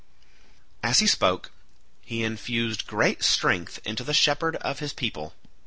As he spoke he infused great strength into the shepherd of his people.